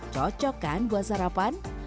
cocok kan buat sarapan